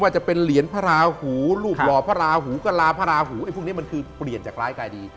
จะเป็นเหรียญพระราหูรูปหล่อพระราหูกระลาพระราหูไอ้พวกนี้มันคือเปลี่ยนจากร้ายกายดี